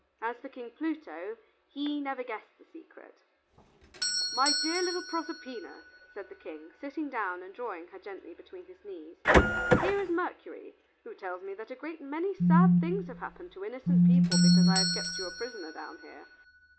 As for King Pluto, he never guessed the secret. "My dear little Proserpina," said the King, sitting down and drawing her gently between his knees, "here is Mercury, who tells me that a great many sad things have happened to innocent people because I have kept you a prisoner down here.